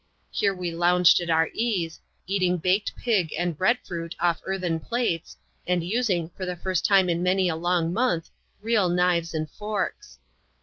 Here we lounged at our ease ; eating baked pig and bread fruit off earthen plates, and using, for the first time in many a long month, real knives and forks.